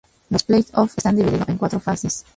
Los play offs están divididos en cuatro fases.